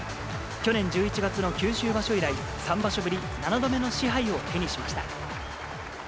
去年１１月の九州場所以来、３場所ぶり７度目の賜杯を手にしました。